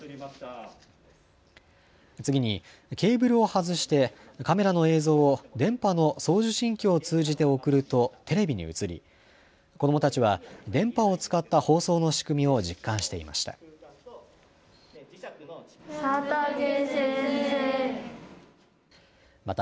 次にケーブルを外してカメラの映像を電波の送受信機を通じて送るとテレビに映り子どもたちは電波を使った放送の仕組みを実感していました。